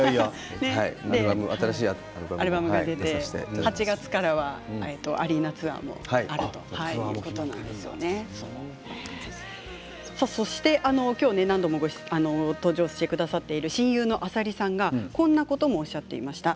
新しいアルバムも８月からはアリーナツアーもあるということでそして何度も登場してくださっている親友の浅利さんが、こんなこともおっしゃっていました。